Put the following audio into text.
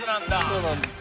そうなんですよ。